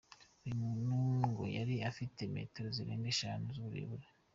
Uyu muntu ngo yari afite metero zirenga eshanu z’uburebure.